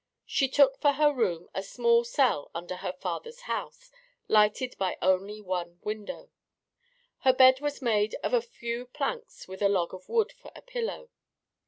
She took for her room a small cell under her father's house, lighted by only one window. Her bed was made of a few planks with a log of wood for a pillow.